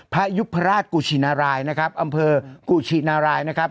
ยุพราชกุชินารายนะครับอำเภอกุชินารายนะครับ